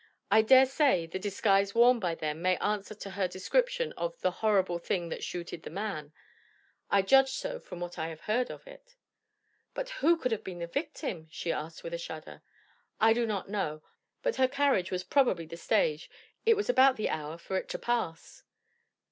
I dare say, the disguise worn by them may answer to her description of 'the horrible thing that shooted the man;' I judge so from what I have heard of it." "But who could have been the victim?" she asked with a shudder. "I do not know. But her carriage was probably the stage: it was about the hour for it to pass."